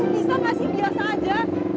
bisa masih biasa aja